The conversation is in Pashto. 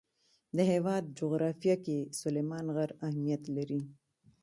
د هېواد جغرافیه کې سلیمان غر اهمیت لري.